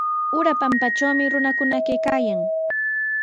Ura pampatrawmi runakuna kaykaayan.